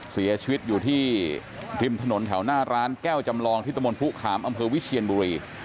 เสียชีวิตอยู่ที่ริมถนนแถวหน้าร้านแก้วจำลองที่ตะมนต์ผู้ขามอำเภอวิเชียนบุรี